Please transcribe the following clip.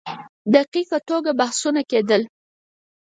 دقیق توګه بحثونه کېدل.